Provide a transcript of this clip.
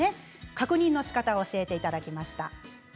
確認のしかたを教えていただきました。